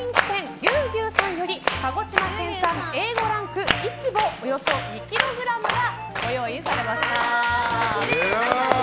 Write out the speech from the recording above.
牛さんより鹿児島県産Ａ５ランクイチボおよそ２ｋｇがご用意されました。